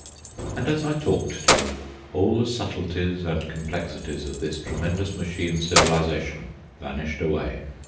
And as I talked to them, all the subtleties and complexities of this tremendous machine civilisation vanished away.